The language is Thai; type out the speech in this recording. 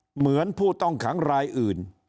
เหมือนผู้ต้องขังรายอื่น